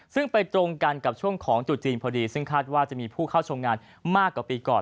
ซึ่งไปตรงกันกับช่วงของจุดจีนพอดีซึ่งคาดว่าจะมีผู้เข้าชมงานมากกว่าปีก่อน